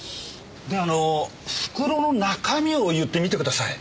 ではあの袋の中身を言ってみてください。